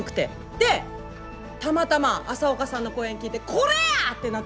でたまたま朝岡さんの講演聞いてこれや！ってなってな。